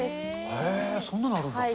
へー、そんなのあるんだ。